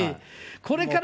これから。